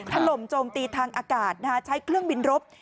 ถล่มโจมตีทางอากาศใช้เครื่องบินรบ